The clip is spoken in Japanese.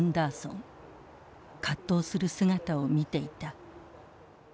葛藤する姿を見ていた。